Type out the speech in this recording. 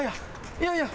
いやいや。